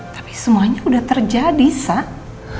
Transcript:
tapi semuanya udah terjadi sam